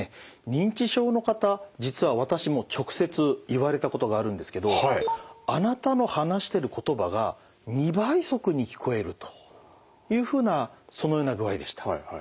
認知症の方実は私も直接言われたことがあるんですけど「あなたの話してる言葉が２倍速に聞こえる」というふうなそのような具合でした。